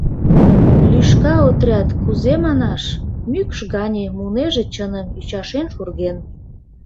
Лӱшка отряд — кузе манаш? — мӱкш гане, мунеже чыным, ӱчашен-шурген.